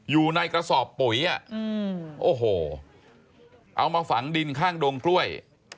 อยู่ในกระสอบปุ๋ยโอ้โหเอามาฝังดินข้างดงกล้วย